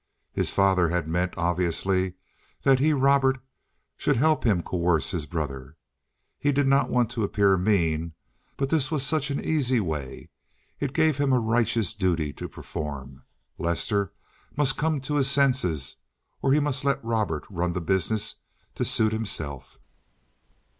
His father had meant, obviously, that he, Robert, should help him coerce his brother. He did not want to appear mean, but this was such an easy way. It gave him a righteous duty to perform. Lester must come to his senses or he must let Robert run the business to suit himself.